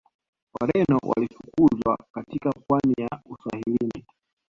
Wareno walifukuzwa katika pwani za Uswahilini